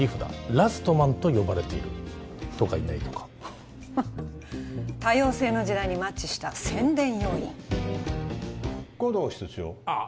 「ラストマン」と呼ばれているとかいないとかフンッはっ多様性の時代にマッチした宣伝要員護道室長ああ